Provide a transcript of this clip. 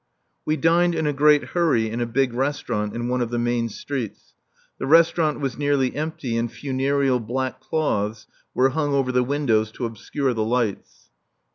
We dined in a great hurry in a big restaurant in one of the main streets. The restaurant was nearly empty and funereal black cloths were hung over the windows to obscure the lights.